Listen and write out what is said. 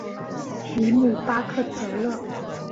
里姆巴克泽勒。